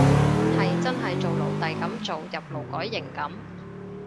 係真係做奴隸噉做，入勞改營噉